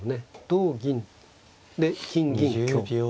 同銀で金銀香。